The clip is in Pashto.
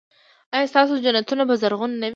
ایا ستاسو جنتونه به زرغون نه وي؟